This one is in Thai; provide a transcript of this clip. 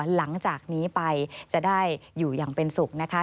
หลังจากนี้ไปจะได้อยู่อย่างเป็นสุขนะคะ